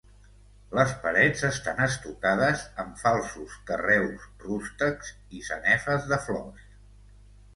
Les parets estan estucades amb falsos carreus rústecs i sanefes de flors.